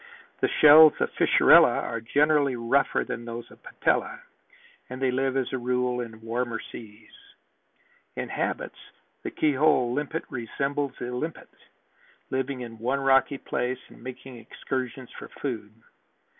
The shells of Fissurella are generally rougher than those of Patella and they live, as a rule, in warmer seas. In habits the key hole limpet resembles the limpet, living in one rocky place and making excursions for food.